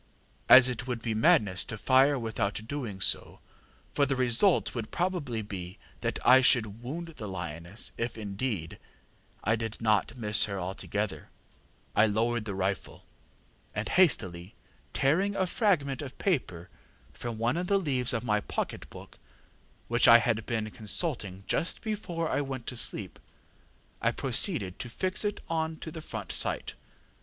As it would be madness to fire without doing so, for the result would probably be that I should wound the lioness, if, indeed, I did not miss her altogether, I lowered the rifle; and, hastily tearing a fragment of paper from one of the leaves of my pocket book, which I had been consulting just before I went to sleep, I proceeded to fix it on to the front sight.